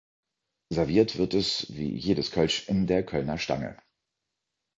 Serviert wird es, wie jedes Kölsch, in der Kölner Stange.